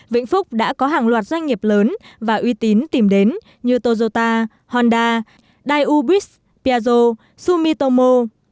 vĩnh phúc đã có hàng loạt doanh nghiệp lớn và uy tín tìm đến như toyota honda dayubis piazo sumitomo